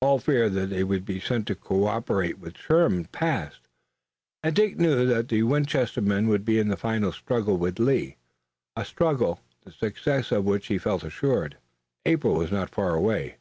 All fear that they would be sent to cooperate with Sherman passed, and Dick knew that the Winchester men would be in the final struggle with Lee, a struggle the success of which he felt assured. April was not far away.